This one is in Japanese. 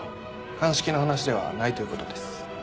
鑑識の話ではないということです。